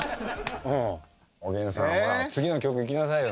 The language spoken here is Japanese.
おげんさんほら次の曲いきなさいよ